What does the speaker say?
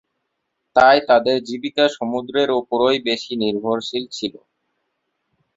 তাই তাদের জীবিকা সমুদ্রের উপরই বেশি নির্ভরশীল ছিল।